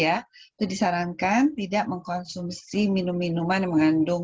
itu disarankan tidak mengkonsumsi minum minuman yang mengandung